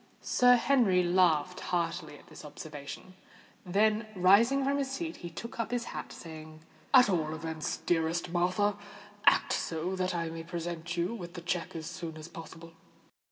Sir Henry laughed heartily at this observation; then, rising from his seat, he took up his hat, saying, "At all events, dearest Martha, act so that I may present you with the cheque as soon as possible."